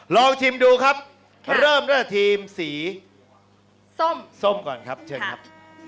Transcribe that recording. ลองชิมดูครับเริ่มด้วยทีมสีส้มก่อนครับเชิญครับ